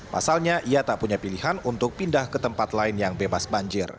pasalnya ia tak punya pilihan untuk pindah ke tempat lain yang bebas banjir